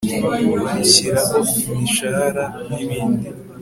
warishyiraho imishahara n ibindi